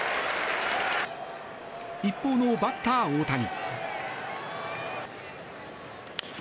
一方のバッター大谷。